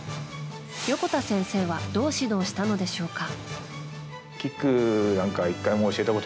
横田先生はどう指導したのでしょうか。